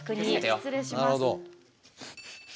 失礼します。